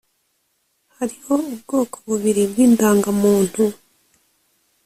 Hariho ubwoko bubiri bw’indangamuntu